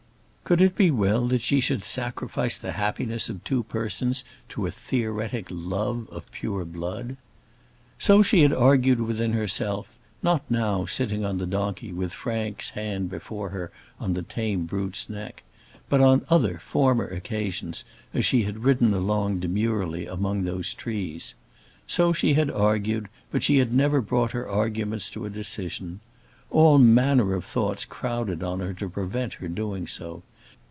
Could it be well that she should sacrifice the happiness of two persons to a theoretic love of pure blood? So she had argued within herself; not now, sitting on the donkey, with Frank's hand before her on the tame brute's neck; but on other former occasions as she had ridden along demurely among those trees. So she had argued; but she had never brought her arguments to a decision. All manner of thoughts crowded on her to prevent her doing so.